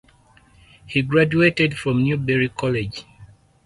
He graduated from Newberry College.